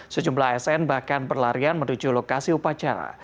sejumlah asn bahkan berlarian menuju lokasi upacara